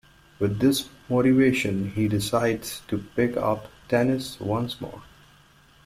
With this motivation, he decides to pick up tennis once more.